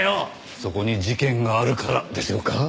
そこに事件があるからでしょうか。